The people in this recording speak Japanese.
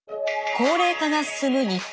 高齢化が進む日本。